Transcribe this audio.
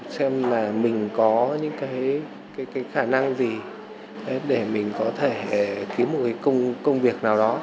xem là mình có những cái khả năng gì để mình có thể kiếm một cái công việc nào đó